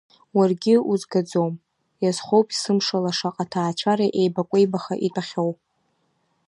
Уаргьы узгаӡом, иазхоуп сымшала шаҟа ҭаацәара еибакәеибаха итәахьоу.